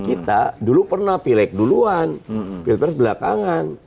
kita dulu pernah pilek duluan pilpres belakangan